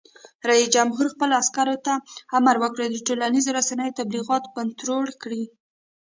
رئیس جمهور خپلو عسکرو ته امر وکړ؛ د ټولنیزو رسنیو تبلیغات کنټرول کړئ!